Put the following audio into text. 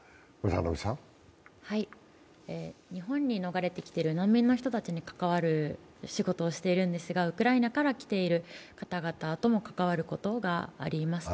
日本に逃れてきている難民の人たちに関わる仕事をしているんですが、ウクライナから来ている方々とも関わることがあります。